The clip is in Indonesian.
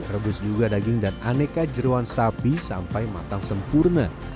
rebus juga daging dan aneka jeruan sapi sampai matang sempurna